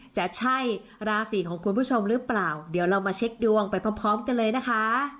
จะใช่ราศีของคุณผู้ชมหรือเปล่าเดี๋ยวเรามาเช็คดวงไปพร้อมกันเลยนะคะ